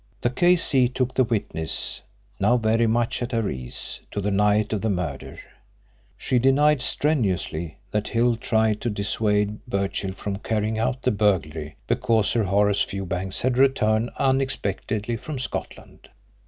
The K.C. took the witness, now very much at her ease, to the night of the murder. She denied strenuously that Hill tried to dissuade Birchill from carrying out the burglary because Sir Horace Fewbanks had returned unexpectedly from Scotland.